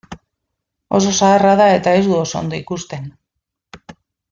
Oso zaharra da eta ez du oso ondo ikusten.